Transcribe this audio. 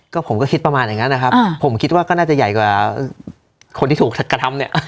ก็ผมก็คิดประมาณอย่างนั้นนะครับผมคิดว่าก็น่าจะใหญ่กว่าคนที่ถูกกระทำเนี่ย